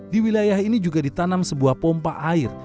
di wilayah ini juga ditanam sebuah pompa air